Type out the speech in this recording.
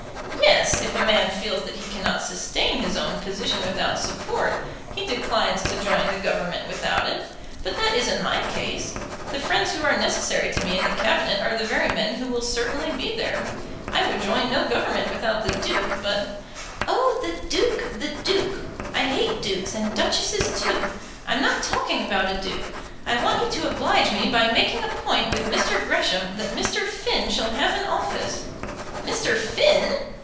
"Yes. If a man feels that he cannot sustain his own position without support, he declines to join the Government without it. But that isn't my case. The friends who are necessary to me in the Cabinet are the very men who will certainly be there. I would join no Government without the Duke; but " "Oh, the Duke the Duke! I hate dukes and duchesses too. I'm not talking about a duke. I want you to oblige me by making a point with Mr. Gresham that Mr. Finn shall have an office." "Mr. Finn!"